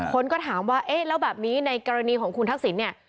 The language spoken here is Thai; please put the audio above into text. คนก็ถามว่าเอ๊ะแล้วแบบนี้ในกรณีของคุณทักษิณเนี่ย